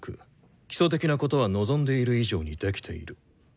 基礎的なことは望んでいる以上にできている。